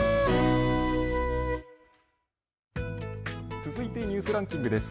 続いてニュースランキングです。